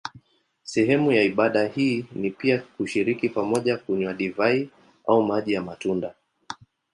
Sehemu ya ibada hii ni pia kushiriki pamoja kunywa divai au maji ya matunda.